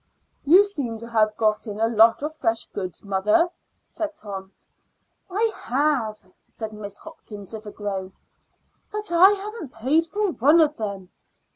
"You seem to have got in a lot of fresh goods, mother," said Tom. "I have," said Mrs. Hopkins, with a groan; "but I haven't paid for one of them.